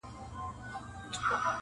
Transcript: واه زرګر چناره دسروزرو منګوټي راغله,